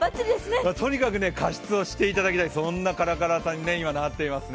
とにかく加湿をしていただきたい、そんなカラカラさんになっていますね。